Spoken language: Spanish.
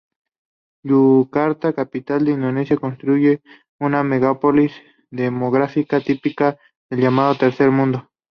Yakarta, capital de Indonesia constituye una "megalópolis demográfica" típica del llamado Tercer Mundo.